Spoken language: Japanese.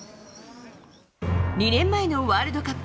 ２年前のワールドカップ。